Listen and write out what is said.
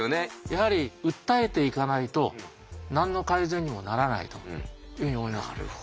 やはり訴えていかないと何の改善にもならないというふうに思います。